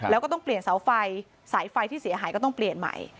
แล้วก็ต้องเปลี่ยนเสาไฟสายไฟที่เสียหายก็ต้องเปลี่ยนใหม่